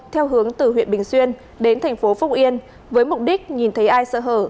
theo hướng từ huyện bình xuyên đến tp phúc yên với mục đích nhìn thấy ai sợ hở